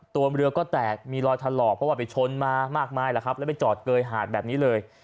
ตัวเรือก็แตกมีรอยถลอกเพราะว่าไปชนมามากมายแหละครับแล้วไปจอดเกยหาดแบบนี้เลย